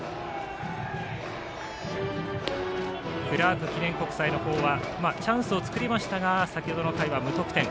クラーク記念国際のほうはチャンスを作りましたが先ほどの回は無得点。